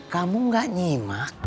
kamu gak nyimak